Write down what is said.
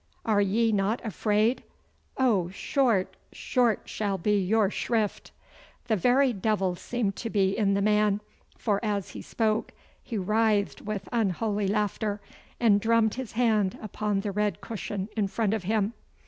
Are ye not afraid? Oh, short, short shall be your shrift!' The very devil seemed to be in the man, for as he spoke he writhed with unholy laughter, and drummed his hand upon the red cushion in front of him.